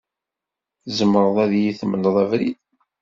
Tzemred ad iyi-temled abrid?